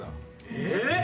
えっ！？